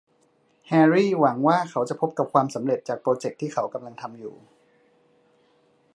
แฮรรี่หวังว่าเขาจะพบกับความสำเร็จจากโปรเจคที่เขากำลังทำอยู่